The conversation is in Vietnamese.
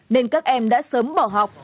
nên các em đã sớm bỏ học